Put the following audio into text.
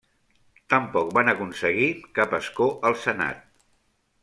Tampoc van aconseguir cap escó al Senat.